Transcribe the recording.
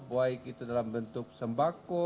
baik itu dalam bentuk sembako